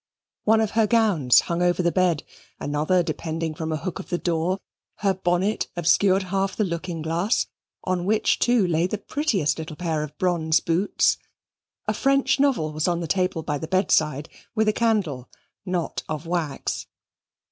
One of her gowns hung over the bed, another depending from a hook of the door; her bonnet obscured half the looking glass, on which, too, lay the prettiest little pair of bronze boots; a French novel was on the table by the bedside, with a candle, not of wax.